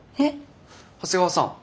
長谷川さん